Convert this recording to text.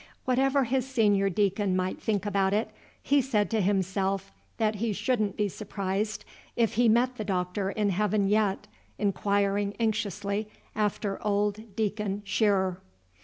Whatever his senior deacon might think about it, he said to himself that he shouldn't be surprised if he met the Doctor in heaven yet, inquiring anxiously after old Deacon Shearer.